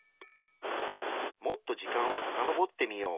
もっと時間をさかのぼってみよう。